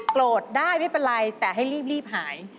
โกรธได้ไม่เป็นไรแต่ให้รีบหาย